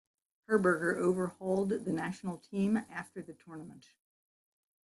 Herberger overhauled the national team after the tournament.